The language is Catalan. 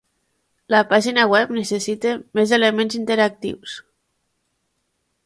La pàgina web necessita més elements interactius.